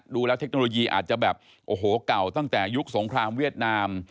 ดูแล้วเทคโนโลยีอาจจะแบบโอ้โหเก่าตั้งแต่ยุคสงครามเวียดนาม